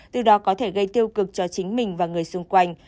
từ đó có thể gây tiêu cực cho chính mình và người xung quanh